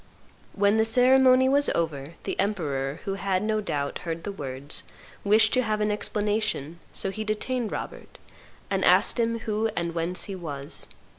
When the ceremony was over, the emperor, who had, no doubt, heard the words, wished to have an explanation; so he detained Robert, and asked him who and whence he was.